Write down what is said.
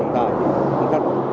nhu cầu đi lại tăng cao